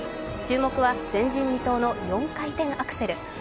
注目は前人未到の４回転アクセル。